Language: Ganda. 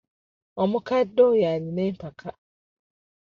Omukadde oyo alina empaka.